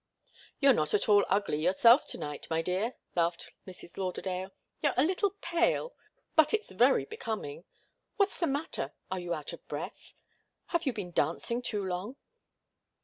"You're not at all ugly yourself to night, my dear!" laughed Mrs. Lauderdale. "You're a little pale but it's very becoming. What's the matter? Are you out of breath? Have you been dancing too long?"